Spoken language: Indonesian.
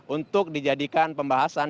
untuk dijadikan pembahasan di rumah sakit